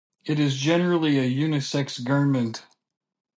It is generally a unisex garment.